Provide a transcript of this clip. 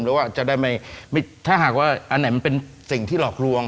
หรือว่าจะได้ไม่ถ้าหากว่าอันไหนมันเป็นสิ่งที่หลอกลวง